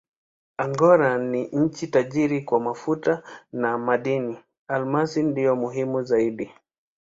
Angola ni nchi tajiri kwa mafuta na madini: almasi ndiyo muhimu zaidi.